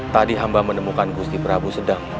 tadi hamba menemukan gusti prabu sedang